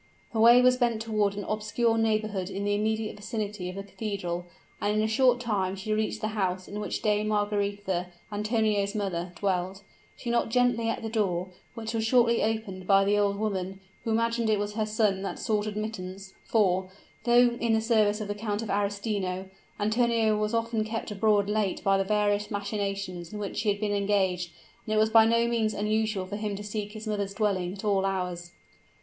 Her way was bent toward an obscure neighborhood in the immediate vicinity of the cathedral; and in a short time she reached the house in which Dame Margaretha, Antonio's mother, dwelt. She knocked gently at the door, which was shortly opened by the old woman, who imagined it was her son that sought admittance; for, though in the service of the Count of Arestino, Antonio was often kept abroad late by the various machinations in which he had been engaged, and it was by no means unusual for him to seek his mother's dwelling at all hours.